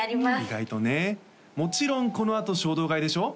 意外とねもちろんこのあと衝動買いでしょ？